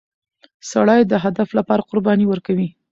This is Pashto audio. سړی د هدف لپاره قرباني ورکوي